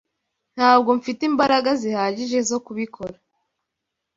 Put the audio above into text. Ntabwo mfite imbaraga zihagije zo kubikora.